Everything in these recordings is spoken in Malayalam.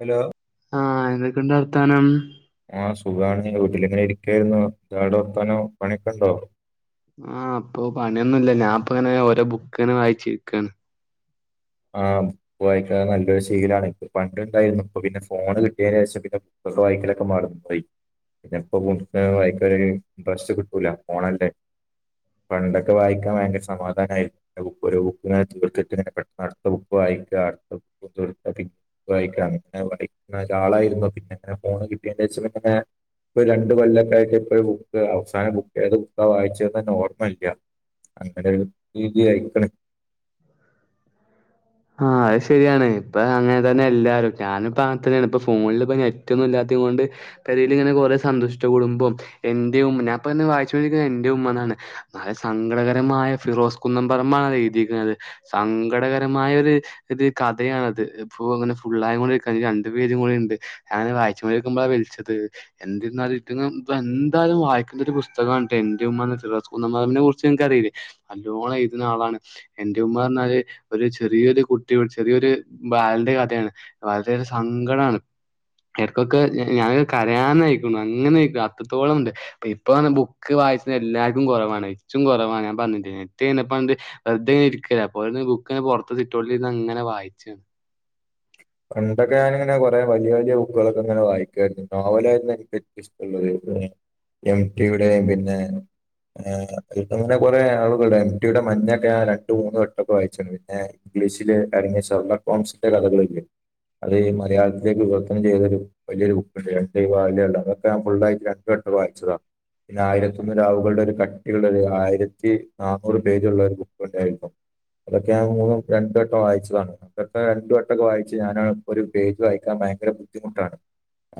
ഹലോ ആഹ് എന്തൊക്കെണ്ട് വർത്താനം ആഹ് സുഖാണ് വീട്ടിലിങ്ങനെ ഇരിക്കായിരുന്നു ന്താ അവ്ടെ വർത്താനം പണിയൊക്കണ്ടോ ആഹ് പ്പൊ പണിയൊന്നുല്ല ഞാൻ പ്പങ്ങനെ ഓരോ ബുക്കൊക്കങ്ങനെ വായിച്ചിരിക്കാണ് ആഹ് ബുക്ക്‌ വായിക്കൽ നല്ലൊരു ശീലാണ് പണ്ടുണ്ടായിന്നു ഇപ്പ പിന്നെ ഫോണ് കിട്ടിയതിനന് ശേഷം പിന്നെ ബുക്ക്‌ വായിക്കലൊക്കെ മട്ത്ത് പോയി ഇപ്പോ ബുക്ക്‌ വായിക്കാൻ ഇട്രസ്റ്റ് കിട്ടൂല ഫോണല്ലേ പണ്ടൊക്കെ വായിക്കാൻ ഭയങ്കര സമാധാനായിരുന്നു ഇപ്പൊരു ബുക്ക്‌ ഇങ്ങനെ ഇട്ത്ത്ട്ട്ങ്ങനെ പെട്ടെന്ന് അടുത്ത ബുക്ക് വായിക്കുക അടുത്ത ബുക്ക്ഒക്കെ എട്ത്ത്ട്ട് ങ്ങനെ വായിക്കണം അങ്ങനെ വായിക്കുന്ന ആളായിരുന്നു പിന്നെങ്ങനെ ഫോണ് കിട്ടിയേന് ശേഷം പിന്നെങ്ങനെ ഇപ്പൊരു രണ്ട് കൊല്ലൊക്കെ ആയിട്ട് ഇപ്പോഴും ബുക്ക് അവസാനം ബുക്ക് ഏത് ബുക്കാ വായിച്ച്ന്ന് ഓർമ്മല്ല അങ്ങനെയൊരു രീതിയയ്ക്ക്ണ് ആഹ് അത് ശരിയാണ് ഇപ്പം അങ്ങനെ തന്നെ എല്ലാവരും ഞാനിപ്പോൾ അങ്ങനെ തന്നെണ് ഇപ്പോ ഫോണിൽ ഇപ്പ നെറ്റൊന്നും ഇല്ലാത്ത കൊണ്ട് പെരീൽ ഇങ്ങനെ കുറെേ സന്തുഷ്ട കുടുമ്പും എന്റെ ഉമ്മ ഞൻപ്പെ വായിച്ചോണ്ടിരിക്കണ് എന്റെ ഉമ്മ എന്നാണ് സങ്കടകരമായ ഫിറോസ് കുന്നം പററമ്പാണ് അത് എഴുതിക്ക്ണത് സങ്കടകരം മായ ഒരു ഇത് കഥയാണത് ഇപ്പോ അങ്ങനെ ഫുള്ളായികൊണ്ടിരിക്ക രണ്ടു പേജും കൂടി ഉണ്ട് ഞാനത് വായിച്ച് കൊണ്ട് ഇരിക്കുമ്പോളാ വിളിച്ചത് എന്തിരുന്നാലും പ്പ ഞ്ഞി എന്തായാലും വായിക്കണ്ട ഒരു പുസ്തകാണ് എന്റെ ഉമ്മ ഫിറോസ് കുന്നംപറമ്പിൽ നെ കുറിച്ച് ഇങ്ങക്കറിയില്ലേ ന്നല്ലോണം എഴുതുന്ന ആളാണ് എന്റെ ഉമ്മ പറഞ്ഞാല് ഒരു ചെറിയൊരു കുട്ടിയുടെ ചെറിയൊരു ബാലന്റെ കഥയാണ് ബാലന്റെ കഥ സങ്കടാണ് ഇന്ക്കൊക്കെ ഞാന് കരാനയ്ക്കണു അങ്ങനെ അയ്കുണു അത്രത്തോളണ്ട് ഇപ്പ അങ്ങനെ ബുക്ക് വായിക്ക്ണ് എല്ലാർക്കും കുറവാണ് ഇച്ചും കുറവാണ് ഞാൻ പറഞ്ഞിട്ട്ല്ലെ പിന്നെ പണ്ട് വെറുതെ ഇനെ ഇരിക്കല്ലെ അപ്പോപിന്നെ ബുക്കിങ്ങനെ പോർതോട്ന്ന് സിറ്റ്ഔട്ടിൽ ഇരുന്ന്ങ്ങനെ വായിച്ചാണ് പണ്ടൊക്കെ ഞാനിങ്ങനെ വലിയ വലിയ ബുക്കുകളൊക്കെ ഇങ്ങനെ വായിക്കുവായിരുന്നു നോവലായിയിരുന്നു എനിക്ക് പറ്റ എംടി യുടെയും പിന്നെ ആഹ് ഇങ്ങന്നെ കൊറെ ആളുകള്ണ്ട് എം ടി യുടെ മഞ്ഞൊക്കെ ഞാൻ രണ്ട് മൂന്ന് വെട്ടൊക്കെ വായിച്ച്ണ്ട് പിന്നെ ഇംഗ്ലീഷില് അടങ്ങിയ ഷെർലകോംസിൻ്റെ കഥകളുല്ലേ അത് മലയാളത്തിലേക്ക് വിവർത്തം ചെയ്തൊരു വലൊരു ബുക്കുണ്ട് രണ്ട് വാല്യള്ള അതൊക്കെ ഞാൻ ഫുള്ളായിട്ട് രണ്ട് വട്ടം വയ്ച്ചതാണ് പിന്നെ ആയിരത്തിയോന്ന് രാവുകളുടെ ഒരു കട്ടിയുള്ള ആയിരത്തി നന്നൂറ് പേജുള്ള ഒരു ബുക്ക് ഉണ്ടായിരുന്നു അതൊക്കെ ഞാൻ മൂ രണ്ട് വട്ടം വായിച്ചതാണ് അതൊക്കെ രണ്ട് വട്ടൊക്കെ വായിച്ച ഞാൻ ഒരു പേജ് വായിക്കാൻ ഭയങ്കര ബുദ്ധിമുട്ടാണ്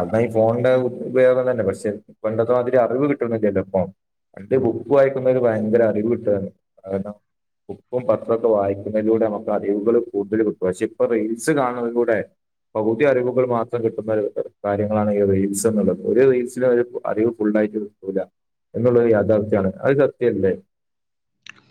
അന്ന് ഈ ഫോണിന്റെ ഉപയോഗം തന്നെപക്ഷെ പണ്ടത്തെ മാതിരി അറിവ് കിട്ടുന്നില്ലല്ലോ ഫൺ പണ്ട് ബുക്ക് വായിക്കുന്ന ഒരു ഭയങ്കര അറിവ് കിട്ടാണ് കാരണം ബുക്കും പത്രമൊക്കെ വായിക്കുന്നതിലൂടെ നമുക്ക് അറിവുകൾ കൂടുതൽ കിട്ടും പക്ഷെ ഇപ്പൊ റീൽ- റീൽസ് കാണ് ണത് കൂടെ പകുതി അറിവുകൾ മാത്രം കിട്ടുന്ന കാര്യങ്ങളാണ് ഈ റീൽസ് എന്നുള്ളത് ഒര്റീൽസ്ന്ന് ഒരു അറിവ് ഫുള്ളായിട്ട് [inaudible] എന്നുള്ളൊരു യാഥാർത്ഥ്യമാണ് അത് സത്യമല്ലേ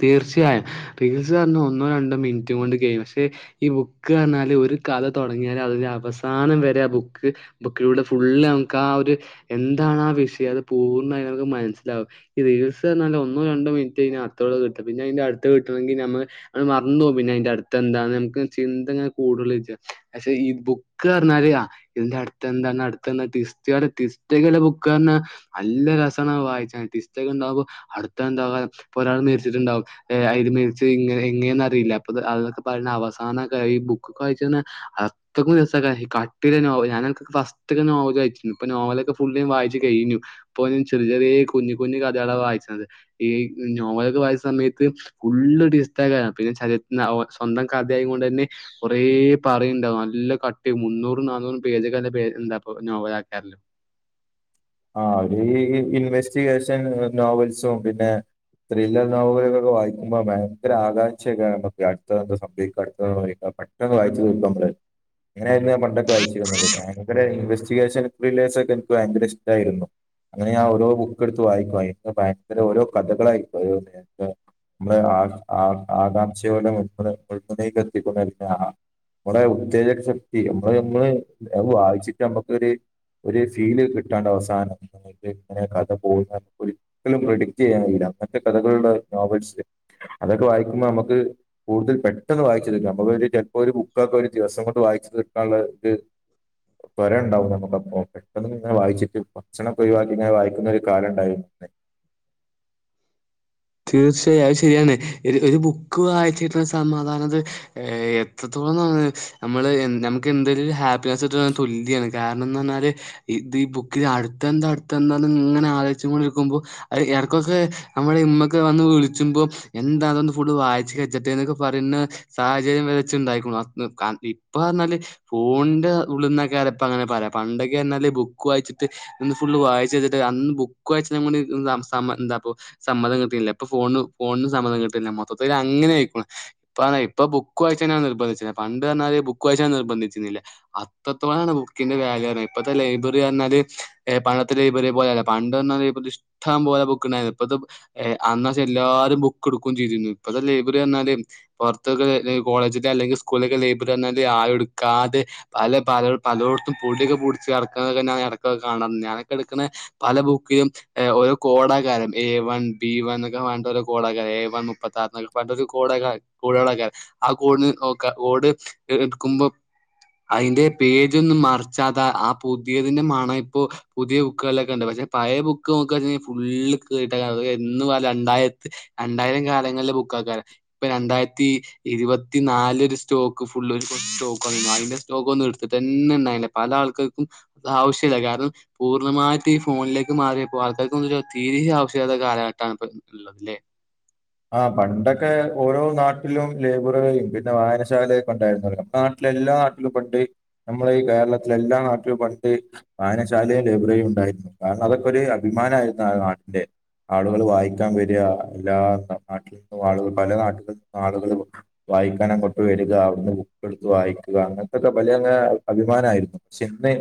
തീർച്ചയായും റീൽസ്അർഞ്ഞ ഒന്നോ രണ്ടോ മിൻറ്റ് കൊണ്ട് കെയും ക്ഷെ ഈ ബുക്ക്അർഞ്ഞാല് ഒരു കഥ തൊടങ്ങിയാല് അതിന്റെ അവസാനം വരെ ആ ബുക്ക് ബുക്കിലൂടെ ഫുള്ള് ഞമ്മക്കാ ഒര് എന്താണ് ആ വിഷയം അത് പൂർണ്ണായും നമുക്ക് മനസ്സിലാവും ഈറീൽസ് അർഞ്ഞാൽ ഒന്നോ രണ്ടോ മിനിറ്റ് കൈഞ്ഞ അത്രൊള്ളൂ കിട്ട പിന്നെ അയ്ന്റെ അട്ത്തെ കിട്ടണെങ്കി ഞമ് അഹ് മർന്നോവും പിന്നയ്ന്റെ അട്ത്തെന്താ ന്ന് ഞമ്മക്ക് ചിന്തങ്ങനെ കൂടൊള്ളുചെജ്ജ പക്ഷെ ഈ ബുക്ക് പർഞ്ഞാല് എന്താ അട്ത്തെന്താണ് അട്ത്തെന്താ ടിസ്റ്റ് ടിസ്റ്റൊക്കെ ഉള്ളെ ബുക്കർഞ്ഞ അല്ല രസാണഹ് വായ്ചാൻ ടിസ്റ്റൊക്കെണ്ടാവുമ്പൊ അട്ത്തെന്താകും പ്പൊരാൾ മെര്ച്ചിട്ടുണ്ടാവും എ അയാള് മെരിച്ചെ ഇങ്ങനെ എങ്ങനനെന്ന് അറീല പ്പത് അഒക്കെ പറിണ അവസാനക്കെ ഈ ബുക്കൊക്കെ വായ് ച്ച്നെ അത്രക്കും രസേക്കാരം ഈകട്ടിള്ള നോവൽ ഞാനൻക്ക് ഫസ് റ്റൊക്കെ നോവലായ്ചീനി പ്പോ നോവലൊക്കെ ഫുള്ള് ഞാൻ വായിച്ചു കെയ്ഞ്ഞു പ്പം ചെറി ചെറ്യേ കുഞ്ഞു കുഞ്ഞു കഥകളാ വായിച്ച്ണത് ഈ നോവലൊക്കെ വായിച്ച സമയത്ത് ഫുള്ള് ടിസ്റ്റെക്കാരം പിന്നെ ചരി ഒ സ്വന്തം കഥആയെകൊണ്ടെന്നേ കൊറേ പറിണ്ടാവും നല്ല കട്ടി മുന്നൂറും നാന്നൂറും പേജൊക്കെല്ല എന്താപ്പ നോവലേക്കാരംല്ലോ ആഹ് അത് ഈ ഇൻവെസ്റ്റിഗേഷൻ നോവൽസും പിന്നെ ത്രില്ലർ നോവലുകളൊക്കെ വായിക്കുമ്പോ ഭയങ്കര ആകാംക്ഷേക്കാരം കേട്ടപ്പോ അട്ത്തെ ന്താ സംഭവിക്ക അട് ത്തെ [unintelligible] പെട്ട് ക്കെ അങ്ങള് വായിച്ച് ക്കൂട്ടും അമ്മള് [unintelligible] ങ്ങനെ [unintelligible] പണ്ടൊ ക്കെ വായിച്ചിരുന്നത് ഭയങ്കര ഇൻവെസ്റ്റിഗേഷൻ ത്രിലേസൊക്കെനിക്ക് ഭയങ്കര ഇഷ്ട്ടായിരുന്നു അങ്ങനെ ഞാൻ ഓരോ ബുക്കെടുത്ത് വായിക്കും അഇന്ക് ഭയങ്കര ഓരോ കഥകളായിരിക്കും മ്മളെ ആ ആ ആകാംക്ഷയോടെ മുൾ മുന മുൾമുനയിൽ നിർത്തിക്കൊണ്ട് അത് കാണാ മ്മളെ ഉത്തേജക ശക്തി നമ്മള് നമ്മള് അയ് വായിച്ചിട്ട് ഞമ്മക്കൊര് ഒരു ഫീല് കിട്ടാണ്ട് അവസാനം ന്നട്ട് ഇങ്ങനെ കഥ പോവുന്നെ ഒരിക്കലും പ്രെഡിക്ടെയ്യാൻ കയ്യൂല അങ്ങൻത്തെ കഥകളുള്ള നോവൽസ് അതൊക്കെ വായിക്കുമ്പഅമ്മക്ക് കൂടുതൽ പെട്ടെന്ന് വായിച്ചെടുക്കാ അമ്മളൊരു ചിലപ്പോ ഒരു ബുക്കൊക്കെ ഒരു ദിവസം കൊണ്ട് വായിച്ചു തീർക്കാള്ളത് തൊരെണ്ടാവും ഞമ്മക്ക്‌ അപ്പൊ പെട്ടെന്ന് അക്കങ്ങനെ വായിച്ചിട്ട് ഭക്ഷണൊക്കെ ഒയിവാക്കി ങ്ങനെ വായിക്കുന്നൊരു കാലണ്ടായിര്ന്നു തീർച്ചയായും അഹ് ശര്യാണ് ഒരു ബുക്ക് വായിച്ചിട്ട്ള്ള സമാധാനത് ഏ എത്രത്തോളം ന്നർഞാല് നമ്മള് നമുക്ക് എന്തേലൊരു ഹാപ്പിനെസ് ട്ട്ണേന് തുല്യാണ് കാരണം ന്നർഞ്ഞാല് ഇത് ഈ ബുക്കി അട്ത്തെന്താ അടുത്തെന്താന്ന് ങ്ങനെ ആലോയ്ച്ച് കൊണ്ടിരിക്കുമ്പോ അയ്ല് യെട്ക്കൊക്കെ അമ്മള് ഇമ്മക്ക്‌ ക്കെവന്ന് വിളിച്ചുമ്പോ എന്താന്ന് തൊന്ന് ഫുള്ള് വായിച്ച് കജ്ജട്ടെ ന്നൊക്കെ പറിയ്ണെ സാഹചര്യം വരെ ച്ച്ണ്ടായിക്ക്ണു അ കാ [unintelligible] ഇപ്പോർഞ്ഞാല് ഫോണ്ന്റെ ഉള്ള്ന്നേക്കാരപ്പങ്ങനെ പറയാ പണ്ടൊക്കെർഞാല് ബുക്ക് വായിച്ചിട്ട് ന്ന് ഫുള്ള് വായിച്ചച്ചിട്ട് അന്ന് ബുക്ക് വായിച്ചണെ മുന്നേ [unintelligible] എന്താപ്പൊ സമ്മതം കി ട്ടില്ല പ്പൊ ഫോൺണും ഫോൺണും സമ്മതം കിട്ടിണ്ല്ല മൊത്തത്തിലങ്ങനെ അയ്ക്ക്ണു ഇപ്പർഞ്ഞാ ഇപ്പ ബുക്ക് വായിച്ചനാണ് നിർബന്ധിച്ച്ണെ പണ്ട് അർഞാല് ബുക്ക് വായിച്ചാ നിർബന്ധിച്ചിര്ന്നില്ല അത്രത്തോളാണ് ബുക്കിന്റെ വാല്യുർഞാല്. ഇപ്പത്തെ ലൈബ്രറി പറഞ്ഞാല് പണ്ടത്തെ ലൈബ്രറി പോലല്ല പണ്ട്അർഞ്ഞാല് [unintelligible] ഇഷ്ട്ടം പോലെ ബുക്കുണ്ടായിരുന്നു ഇപ്പത്തെ ഏ അന്നച്ചല്ലാരും ബുക്ക്ട്ക്കും ചെയ്തിന്നു ഇപ്പത്തെ ലൈബറിഅർഞ്ഞാല് പൊർത്തൊക്കെ ല്ലേ കോളേജിത്തെ അല്ലെങ്കിൽ സ്കൂളിൾ ലൊക്കെ ലൈബ്റി പർഞ്ഞാല് ആരു ഇട്ക്കാതെ പല പല പലോടത്തും പൊട്യോക്കെപുട്ച്ചട്ക്കുന്നൊക്കെഞാഎടക്കൊക്കെ കാണാറ്ണ് ഞാനൊക്കെ ഇട്ക്ക്ണെ പല ബുക്കിലും ഓരോ കോടാകാരം എ വൺ [unintelligible] [unintelligible] [unintelligible] ആ കോടിന് നോക്ക കോട് എടുക്കുമ്പോ അയ്ന്റെ പേജൊന്നും മറിച്ചാതെ ആ പുതിയതിന്റെ മണ ഇപ്പോ പുതിയ ബുക്കുകളിലൊക്കെ ണ്ട് പക്ഷെ പയ ബുക്ക് നോക്ക ജ്ജ് ഫുള്ള് കീറീട്ടേ ക്കാരം വെ ന്നും ആ രണ്ടായിരത്തി രണ്ടായിരം കാലങ്ങളിലെ ബുക്കക്കാര പ്പൊ രണ്ടായിരത്തി ഇരുപത്തി നാല്ലൊരു സ്റ്റോക്ക് ഫുള്ള് ഒരു സ്റ്റോക്ക് അയ്ന്റെ സ്റ്റോക്കൊന്നും ഇട്ത്തിട്ട്ന്നെ ഉണ്ടായില്ല പല ആൾക്കാർക്കും ആവശ്യല്ല കാരണം പൂർണമായിട് ഈ ഫോണിലേക്ക് മാറിയപ്പോൾ ആൾകാർകുയൊക്കെ വെച്ചാൽ തീരെ, ആവശ്യമില്ലാതെ [unintelligible] പണ്ടക്കെ ഓരോ നാട്ടിലും ലൈബ്രിയും പിന്നെ വായനശാലയൊക്കെ ഉണ്ടായിുന്നല്ലാം നാട്ടിലെ എല്ലാ നാട്ടിലും പണ്ട് നമ്മടെ ഈ കേരളത്തിലെ എല്ലാ നാട്ടിലും പണ്ട് വായനശാലയും ലൈബ്രറിയും ഉണ്ടായിരുന്നു കാരണം അതൊക്കെ ഒരു അഭിമാനമായിരുന്നു ആ നാടിന്റെ ആളുകൾ വായിക്കാൻ വരിക എല്ലാ നാട്ടിൽ നിന്നും ആളുകൾ പല നാട്ടുകളിൽ നിന്നും ആളുകൾ വായിക്കാൻ അങ്ങോട്ട് വരിക അവിടുന്ന് ബുക്ക് എടുത്ത് വായിക്കുക അങ്ങനെത്തെയൊക്കെ പല അഭിമാനമായിയിരുന്നു ചെന്നെ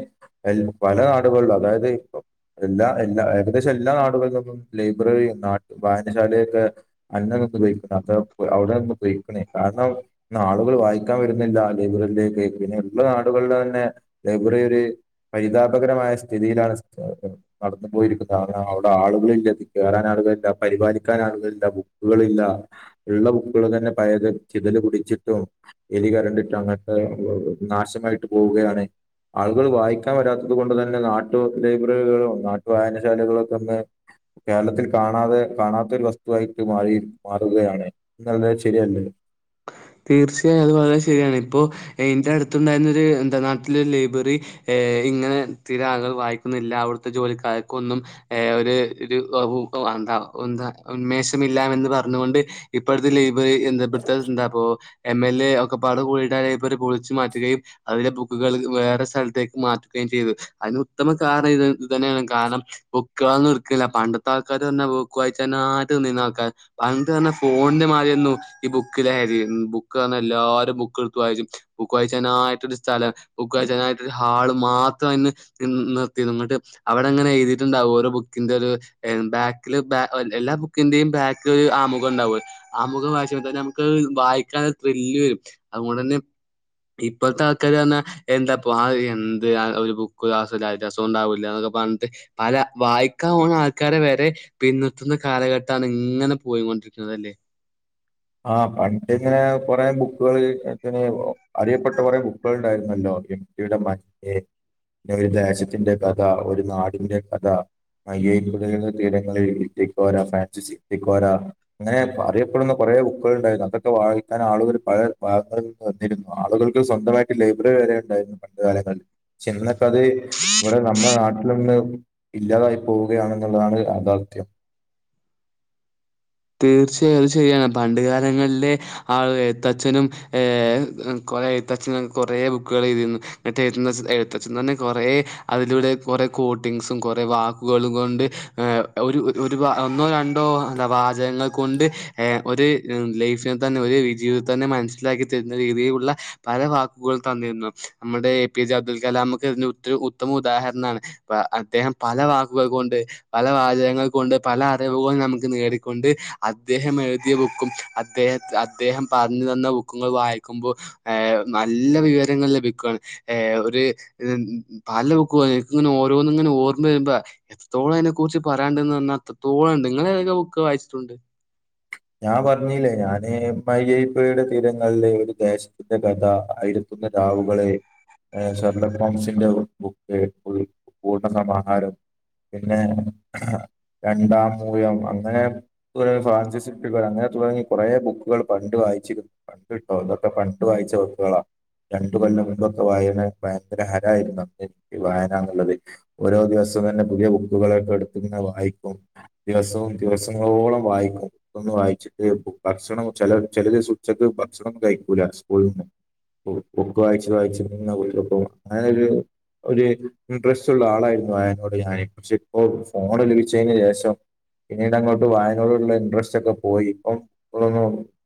പല നാടുകളിലും അതായത് ഇപ്പ എല്ലാ എല്ലാ ഏകദേശം എല്ലാ നാടുകളിലുംന്നും ലൈബ്രറിയ നാട്ട വായനശാലൊക്കെ [inaudible] നാളുകൾ വായിക്കാൻ വരുന്നില്ല ലൈബ്രറിയിലേക്ക് പിന്നെ ഉള്ള നാടുകളുടെ തന്നെ ലൈബ്രറി ഒരു പരിതാപകരമായ സ്ഥിതിയിലാണ് നടന്നു പോയിരിക്കുന്ന അവിടെ ആളുകളില്ലാ കയറാൻ ആളുകളില്ല പരിപാലിക്കാൻ ആളുകളല്ല കളില്ല ഉള്ള ബുക്കുകൾ തന്നെ പയത് ചിതല് പിടിച്ചിട്ടും എലി കരണ്ടിട്ട് അങ്ങനതെ നാശമായിട്ട് പോവുകയാണ് ആളുകൾ വായിക്കാൻ വരാത്തത് കൊണ്ട് തന്നെ നാട്ടു ലൈബ്രറികളും നാട്ടു വായനശാലകളൊക്കെ തന്ന കേരളത്തിൽ കാണാതെ കാണാത്ത ഒരു വസ്തുവായി മാറി മാറുകയാണ് പിന്നെയല്ലേ ശെരിയല്ലേ തീർച്ചയായും അത് വളരെ ശരിയാണ് ഇപ്പോൾ എന്റെ അടുത്തുന്നുതന്നെ ഒരു നാട്ടിലെ ലൈബ്രറി ഇങ്ങനെ തീരെ ആളുകൾ വായിക്കുന്നില്ല അവിടുത്തെ ജോലിക്കർക്കൊന്നും ഏ ഒരു ഒരു ന്താന്താ ഉന്മേഷമില്ലാന്ന് പറഞ്ഞുകൊണ്ട് ഇപ്പോഴത്തെ ലൈബ്രറി ഇപ്പൊ എന്ന് എം എൽ എ ഒക്കെ പാട് കൂടിട്ടര് പൊളിച്ചു മാറ്റുകയും അതിലെ ബുക്കുകൾ വേറെ സ്ഥലത്തേക്ക് മാറ്റുകയും ചെയ്തു അതിന് ഉത്തമ കാരണം ഇത് ഇത് തന്നെയാണ് കാരണം ബുക്ക്കളൊന്നും എടുക്കുകയില്ല പണ്ടത്തെ ആൾക്കാര് തന്നെ ബുക്ക്‌ വായിച്ച ആട്ടുംന്നീുന്ന ആൾക്കാർ പണ്ട് പറഞ്ഞ ഫോണിന്റെ മാതിരി ഈ ബുക്ക് ലഹരിയായിരുന്നു എല്ലാരും ബുക്ക് എടുത്തുമായിരിക്കും ബുക്ക്ഴ്ച്ചനായിട്ടൊരു സ്ഥലം ബുക്ക്‌ ക്കഴ്ച്ചനായിട്ടൊരു ഹാള് മാത്രംന്ന് നിർത്തിര്ന്ന്ട്ട് അവിടെ അങ്ങനെ എഴുതിയിട്ടുണ്ടാവും ഓരോ ബുക്കിന്റെത് എൻ ബാക്കില് ബാഎല്ലാ ബുക്കിന്റെയും ബാക്കിൽ ഒരു ആമുഖം ണ്ടാവു ആമുഖം വായിച്ച തന്നെ നമുക്ക് വായിക്കാൻ ത്രില്ല് വരും അതുകൊണ്ട് തന്നെ ഇപ്പത്തെ ആൾക്കാര് തന്നെ എന്താപ്പൊ ആഹ് എന്ത് ഒരു അഹ് ബുക്ക് [unintelligible] രസം ഉണ്ടാവൂലന്നൊക്കെ പറഞ്ഞിട്ട് പല വായിക്കാ പോണ ആൾക്കാരെ വരെ പിന്നത്തുന്ന കാലഘട്ടാണ് ഇങ്ങനെ പോയികൊണ്ടിരിക്കുന്നത് അല്ലേ ആഹ് പണ്ടിങ്ങനെ കുറെ ബുക്കുകൾ ഇങ്ങൻ തന്നെ അറിയപ്പെട്ട കുറെ ബുക്കുകൾ ഉണ്ടായിരുന്നല്ലോ ഇവിടെ മറ്റേ ഒരു ദേശത്തിന്റെ കഥ ഒരു നാടിന്റെ കഥ [unintelligible] തീരങ്ങളിൽ ഇക്കൊരെ ഫ്രാൻസിസ് ഇക്കോരാ അങ്ങനെ പറയപ്പെടുന്ന കുറെേ ബുക്കൾ ഉണ്ടായിരുന്നു അതൊക്കെ വായിക്കാൻ ആളുകൾ പഴ വാഗ വന്നിരുന്നു ആളുകൾക്ക് സ്വന്തമായി ലൈബ്രറി വരെ ഉണ്ടായിരുന്നു പണ്ട് കാലങ്ങളിൽ ചെലതൊക്കെ അത് ഇവടെ നമ്മളെ നാട്ടിലൊന്ന് ഇല്ലാതായി പോവുകയാണെന്നുള്ളതാണ് യാഥാർത്ഥ്യം തീർച്ചയായും അത് ശരിയാണ് പണ്ട് കാലങ്ങളിലെ ആഹ് എഴുത്തച്ഛനും ഏഹ് കൊറെ എഴുത്തച്ഛന കൊറെ ബുക്കുകൾ എഴുതിരുന്നു ന്നട്ട് എഴുതുന്ന എഴുത്തച്ഛന്നെ കുറെ അതിലൂടെ കുറെ കോട്ടിങ്ങ്സും കുറെ വാക്കുകളും കൊണ്ട് ഏഹ് ഒരു ഒരു ഒന്നോ രണ്ടോ എന്താ വാ ജങ്ങൾ കൊണ്ട് എഹ് ഒരു ലൈഫിനെ തന്നെ ഒരു വിജയവിൽ തന്നെ മനസ്സിലാക്കിത്തരുന്ന രീതിയിലുള്ള പല വാക്കുകൾ തന്നിരുന്നു നമ്മുടെ എ പി ജെ അബ്ദുൽ കലാംമക്കെ ഇതിന് ഉത് ഉത്തമ ഉദാഹരണമാണ് പ അദ്ദേഹം പല വാക്കുകൾ കൊണ്ട് പല വാചകങ്ങൾ കൊണ്ട് പല അറിവുകളും നമുക്ക് നേടി കൊണ്ട് അദ്ദേഹം എഴുതിയ ബുക്കും അദ്ദേഹ അദ്ദേഹം പർഞ്ഞു തന്ന ബുക്കും ങ്ങള് വായിക്കുമ്പോ ഏഹ് നല്ല വിവരങ്ങൾ ലഭിക്കണ് ഏ ഒര് പാൽ [unintelligible] [unintelligible] ഇങ്ങനെ ഓരോന്ന് ങ്ങനെ ഓർമേരുമ്പോ എത്രത്തോളം അയ്നെ കുറിച്ച് പറയാണ്ട്ന്ന് പർഞ്ഞാ അത്രത്തോളംണ്ട് ങ്ങൾ ഏത ബുക്ക് വായിച്ചിട്ടുണ്ട് ഞാൻ പർഞീലേ ഞാന് മയ്യയിപ്പുഴയുടെ തീരങ്ങളിൾ ഒരു ദേശ ത്തിന്റെ കഥ അയിരത്തൊന്ന് രാവുകള് എ ശർലക് ഹോംസിന്റെ ബുക്ക് പൂർണ്ണ സമാഹാരം പിന്നെ രണ്ടാമൂഴം അങ്ങനെ കൊറേ ഫാൻസി ക്കുകൾ അങ്ങനെ തുടങ്ങി കൊറെ ബുക്കുകൾ പണ്ട് വായിച്ചിരുന്നു പണ്ട് ട്ടോ ഇതൊക്കെ പണ്ട് വായിച്ച ബുക്കുകളാ രണ്ടു കൊല്ലം മുമ്പൊക്കെ വായന ഭയങ്കര ഹരായിരുന്നു അന്ന് എനിക്ക് വായനന്ന്ള്ളത് ഓരോ ദിവസം തന്നെ പുതിയ ബുക്കുകളൊക്കെ എടുത്ത്ങ്ങനെ വായിക്കും ദിവസവും ദിവസങ്ങളോളം വായിക്കും ഒന്ന് വായിച്ചിട്ട് ഭക്ഷണം ചെല ചെല ദിവസം ഉച്ചക്ക്‌ ഭക്ഷണൊന്നും കഴിക്കൂല സ്കൂൾന്ന് ഉം ബുക്ക്‌ വായിച്ച് വായിച്ച് ങ്ങനെ കുത്തർക്കും അങ്ങനൊരു ഒര് ഇൻട്രസ്റ്റ് ള്ള ആളായിരുന്നു അയ്നോട് ഞാന് ക്ഷേ പ്പൊ ഫോൺ ലഭിച്ചേന് ശേഷം പിന്നീടങ്ങോട്ട് വായനോടുള്ള ഇൻട്രസ്റ്റൊക്കെ പോയി ഇപ്പം ഓഹോ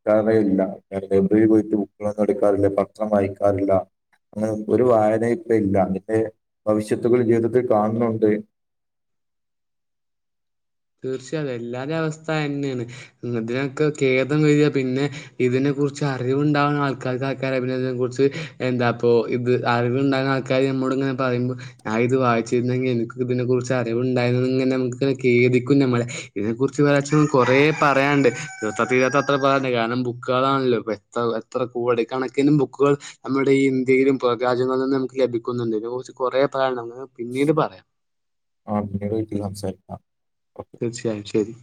സമയില്ല ലൈബ്രറീപോയിട്ട് ബുക്കുകളൊന്നും എടുക്കാറില്ല പത്രം വായിക്കാറില്ല അങ്ങനെ ഒരു വായനേം ഇപ്പ ഇല്ല അതിന്റെ ഭവിഷ്യത്തുകൾ ജീവിതത്തിൽ കാണുന്നുണ്ട് തീർച്ചയായും എല്ലാരെ അവസ്ഥ അതന്നെയാണ് ഇതിനൊക്കെ ഖേദം ന്ന്വച്ചാ പിന്നെ ഇതിനെ കുറിച്ച് അറിവുണ്ടാവ്ണ ആൾക്കാർക്കേക്കാരം പിന്നിതിനെ കുറിച്ച് എന്താ പ്പോ ഇത് അറിവ്ണ്ടാവ്ണ ആൾക്കാര് മ്മളോട് ങ്ങനെ പറയുമ്പം ഞാ ഇത് വായിച്ചിരുന്നെങ്കിൽ എനിക്കും ഇതിനെ കുറിച്ച് അറിവ്ണ്ടായിരുന്നെങ്കി ങ്ങനെ നമുക്ക് ഖേദി ക്കും ഞമ്മള് ഇതിനെ കുറിച്ച് ആക്‌ച്വലി കൊറേ പറയാണ്ട് തീർത്ത തീരാത്തത്ര പറയാണ്ട് കാരണം ബുക്ക്കളാണല്ലോ ഇപ്പെ ത്ര എത്ര കോടി കണക്കിന് ബുക്കുകൾ നമ്മുടെ ഈ ഇന്ത്യയിലും പുറം രാജ്യങ്ങളിൽ നിന്നും നമുക്ക് ലഭിക്കുന്നുണ്ട്. ഇതിനെ കുറിച്ച് കൊറെ പറയാന്ണ്ട് നമുക്ക് പിന്നീട് പറയാം ആഹ് പിന്നീടൊരിക്കല് സംസാരിക്കാം തീർച്ചയായും ശരി